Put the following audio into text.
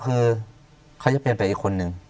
คือเขาจะเปลี่ยนไปอีกคนนึง